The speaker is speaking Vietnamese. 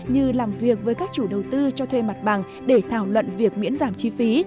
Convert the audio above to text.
như làm việc với các chủ đầu tư cho thuê mặt bằng để thảo luận việc miễn giảm chi phí